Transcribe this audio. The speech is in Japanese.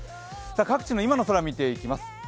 各地の今の空、見ていきます。